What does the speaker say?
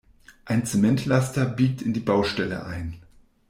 Ein Zementlaster biegt in die Baustelle ein.